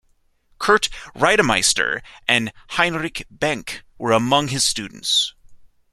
Kurt Reidemeister and Heinrich Behnke were among his students.